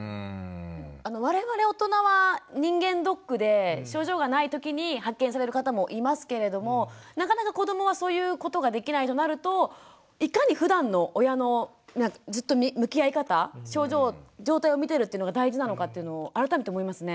我々大人は人間ドックで症状がないときに発見される方もいますけれどもなかなか子どもはそういうことができないとなるといかにふだんの親のずっと向き合い方症状状態を見てるっていうのが大事なのかっていうのを改めて思いますね。